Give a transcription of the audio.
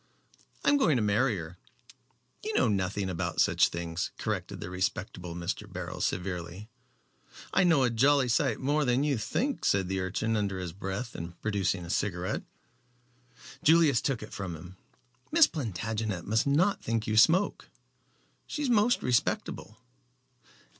I'm going to marry her." "You know nothing about such things," corrected the respectable Mr. Beryl, severely. "I know a jolly sight more than you think," said the urchin under his breath and producing a cigarette. Julius took it from him. "Miss Plantagenet must not think you smoke, Jerry. She is most respectable."